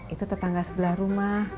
itu tetangga sebelah rumah